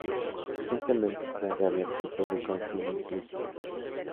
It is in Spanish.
Recientemente se ha reabierto al público con fines turísticos.